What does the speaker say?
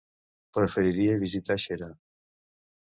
Preferiria visitar Xera.